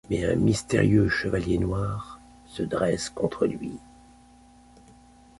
Mais un mystérieux chevalier noir, se dresse contre lui….